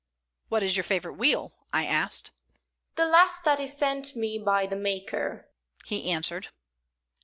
"What is your favorite wheel?" I asked. "The last that is sent me by the maker," he answered.